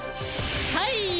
はい。